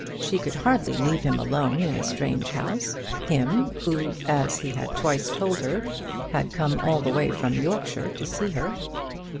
She could hardly leave him alone in a strange house, him, who, as he had twice told her, had come all the way from Yorkshire to see her.